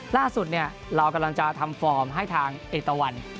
ล่าสุดเรากำลังจะทำฟอร์มให้ทางเอกตะวัน